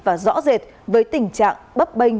và rõ rệt với tình trạng bấp bênh